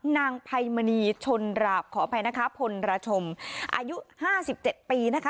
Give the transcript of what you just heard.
นางไพมณีชนราบขออภัยนะคะพลระชมอายุห้าสิบเจ็ดปีนะคะ